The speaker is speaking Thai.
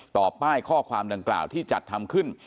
ป้ายข้อความดังกล่าวที่จัดทำขึ้น